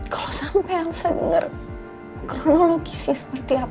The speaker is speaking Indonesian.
kalo sampe elsa denger kronologi sih seperti apa